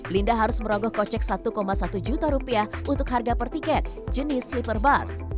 linda harus merogoh kocek satu satu juta rupiah untuk harga per tiket jenis sleeper bus